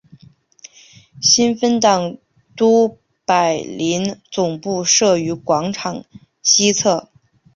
新芬党都柏林总部设于广场西侧。